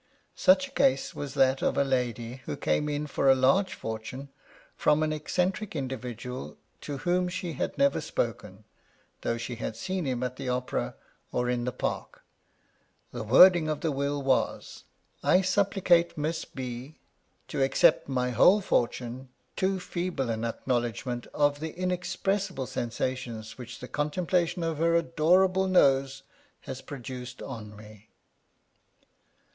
Such 53 Curiosities of Olden Times a case was that of a lady who came in for a large fortune from an eccentric individual to whom she had never spoken, though she had seen him at the opera, or in the park. The wording of the will was : I supplicate Miss B : to accept my whole fortune, too feeble an acknowledgment of the inexpressible sensations which the contemplation of her adorable nose has produced on me.